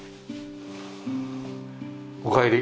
おかえり。